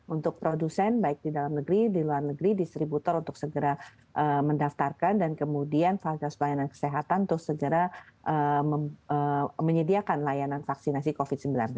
untuk produsen baik di dalam negeri di luar negeri distributor untuk segera mendaftarkan dan kemudian falgas pelayanan kesehatan untuk segera menyediakan layanan vaksinasi covid sembilan belas